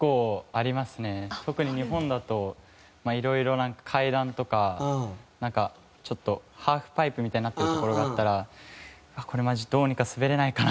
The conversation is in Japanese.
特に日本だといろいろ階段とかなんかちょっとハーフパイプみたいになってる所があったら「あっこれマジどうにか滑れないかな？」